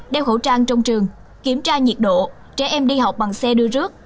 đeo khẩu trang trong trường kiểm tra nhiệt độ trẻ em đi học bằng xe đưa rước